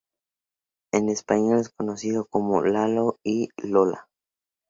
En español es conocido como Lalo y Lola.